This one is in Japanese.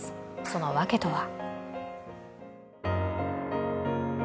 その訳とは。